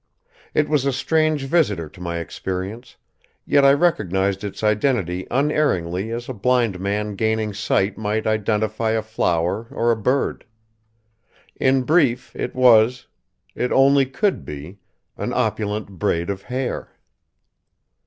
It was a strange visitor to my experience, yet I recognized its identity unerringly as a blind man gaining sight might identify a flower or a bird. In brief, it was it only could be an opulent braid of hair.